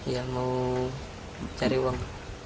ya mau cari uang